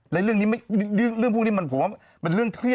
แล้วเรื่องนี้เรื่องพวกนี้มันผมว่าเป็นเรื่องเครียด